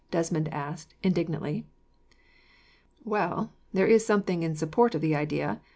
Desmond asked, indignantly. "Well, there is something in support of the idea.